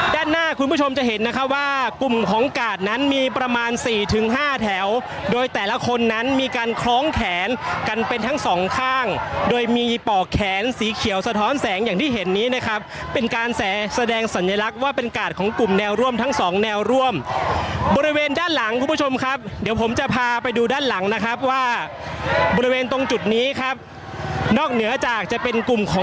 ด้านหน้าคุณผู้ชมจะเห็นนะครับว่ากลุ่มของกาดนั้นมีประมาณสี่ถึงห้าแถวโดยแต่ละคนนั้นมีการคล้องแขนกันเป็นทั้งสองข้างโดยมีปอกแขนสีเขียวสะท้อนแสงอย่างที่เห็นนี้นะครับเป็นการแสดงสัญลักษณ์ว่าเป็นกาดของกลุ่มแนวร่วมทั้งสองแนวร่วมบริเวณด้านหลังคุณผู้ชมครับเดี๋ยวผมจะพาไปดูด้านหลังนะครับว่าบริเวณตรงจุดนี้ครับนอกเหนือจากจะเป็นกลุ่มของ